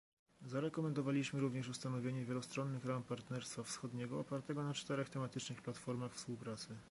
Zarekomendowaliśmy również ustanowienie wielostronnych ram partnerstwa wschodniego opartego na czterech tematycznych platformach współpracy